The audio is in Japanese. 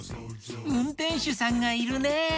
うんてんしゅさんがいるね。